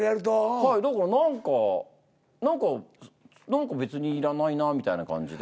はいだから何か何か何か別にいらないなみたいな感じで。